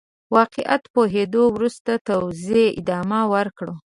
واقعيت پوهېدو وروسته توزيع ادامه ورکړو.